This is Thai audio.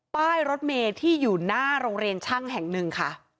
ป้ายรถเมย์ที่อยู่หน้าโรงเรียนช่างแห่งหนึ่งค่ะ